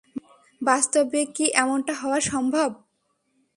বাস্তবে কি এমনটা হওয়া সম্ভব?